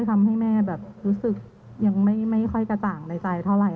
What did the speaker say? ทำให้แม่แบบรู้สึกยังไม่ค่อยกระจ่างในใจเท่าไหร